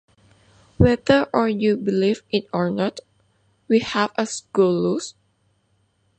Whether or you believe it or not, we have a screw loose.